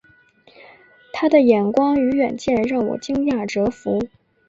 他的眼光与远见让我惊讶折服